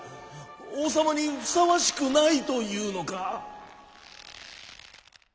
おうさまにふさわしくないというのか？」。